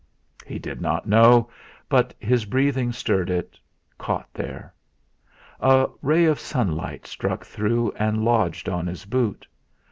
He did not know; but his breathing stirred it, caught there. A ray of sunlight struck through and lodged on his boot.